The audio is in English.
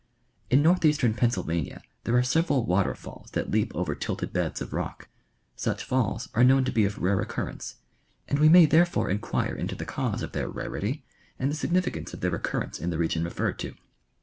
In northeastern Pennsylvania there are several water falls that leap over tilted beds of rock. Such falls are known to be of rare occurrence, and we may therefore inquire into the cause of their rarity and the significance of their occurrence in the region re ferred to.